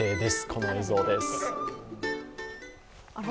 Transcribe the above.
この映像です。